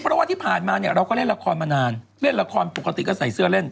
เพราะว่าที่ผ่านมาเนี่ยเราก็เล่นละครมานานเล่นละครปกติก็ใส่เสื้อเล่น